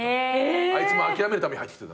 あいつも諦めるために入ってきてたの。